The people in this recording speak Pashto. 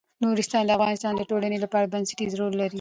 نورستان د افغانستان د ټولنې لپاره بنسټيز رول لري.